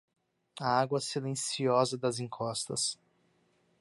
A água silenciosa das encostas.